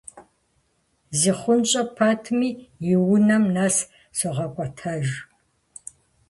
ЗихъунщӀэ пэтми, и унэм нэс согъэкӀуэтэж.